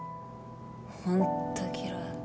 本当嫌い。